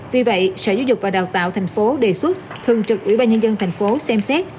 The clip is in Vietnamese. vì vậy sở giáo dục và đào tạo tp hcm đề xuất thường trực ủy ban nhân dân thành phố xem xét